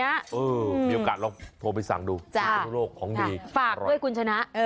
มีโอกาสลองโทรไปสั่งดูของดีฝากด้วยคุณชนะ